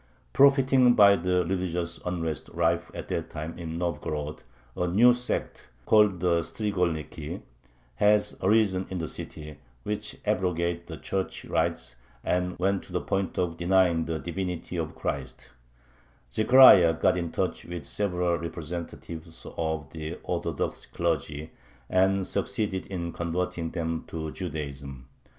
Profiting by the religious unrest rife at that time in Novgorod a new sect, called the Strigolniki, had arisen in the city, which abrogated the Church rites, and went to the point of denying the divinity of Christ Zechariah got in touch with several representatives of the Orthodox clergy, and succeeded in converting them to Judaism.